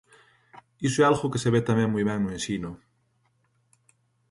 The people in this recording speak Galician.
Iso é algo que se ve tamén moi ben no ensino.